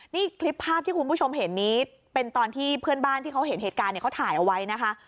นี่คลิปภาพที่คุณผู้ชมเห็นนี้เป็นตอนที่เพื่อนบ้านที่เขาเห็นเหตุการณ์เนี่ยเขาถ่ายเอาไว้นะคะ